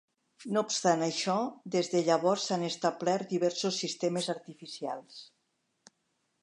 No obstant això, des de llavors s'han establert diversos sistemes artificials.